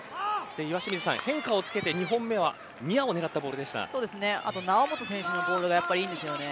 岩清水さん、変化をつけて２本目はニアをあと猶本選手のボールがやっぱりいいですよね。